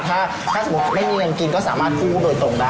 ถ้าสมมุติไม่มีเงินกินก็สามารถกู้โดยตรงได้